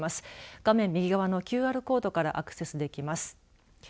画面右側のＱＲコードからアクセスできます。